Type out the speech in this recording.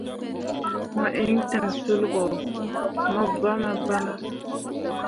Mo iŋ ten sul ɓo mo bama bama.